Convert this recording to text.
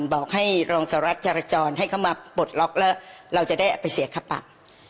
บอกให้รองสหรัฐจรจรให้เขามาปลดล็อกแล้วเราจะได้เอาไปเสียค่าปรับ